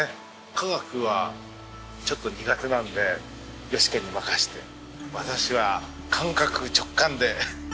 化学はちょっと苦手なんで淑子に任せて私は感覚直感で。